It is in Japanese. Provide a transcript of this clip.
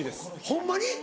ホンマに？